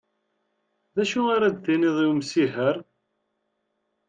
D acu ara d tiniḍ i umsiher?